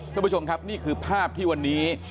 ท่านผู้ชมครับนี่คือภาพที่วันนี้